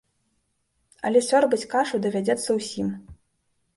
Але сёрбаць кашу давядзецца ўсім.